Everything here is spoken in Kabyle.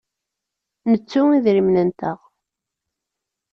Nettu idrimen-nteɣ.